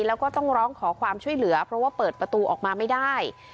แล้วก็ต้องร้องขอความช่วยเหลือเพราะว่าเปิดประตูออกมาไม่ได้